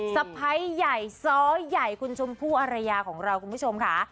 สะพ้ายใหญ่ซ้อใหญ่คุณชมพู่อารยาของเราคุณผู้ชมค่ะ